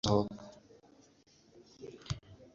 ubwo ntakindi cyabaye, nahise niyaka muganga ndasohoka